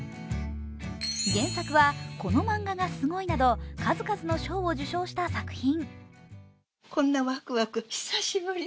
原作は「このマンガがすごい！」など数々の賞を受賞した作品。